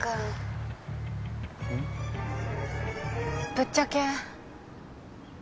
ぶっちゃけ。